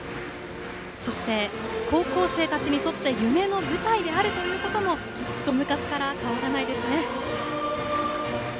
そして高校生たちにとって夢の舞台であるということもずっと昔から変わらないですね。